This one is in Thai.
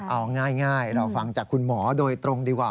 เอาง่ายเราฟังจากคุณหมอโดยตรงดีกว่า